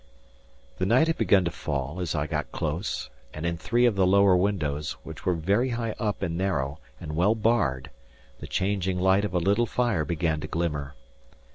The night had begun to fall as I got close; and in three of the lower windows, which were very high up and narrow, and well barred, the changing light of a little fire began to glimmer.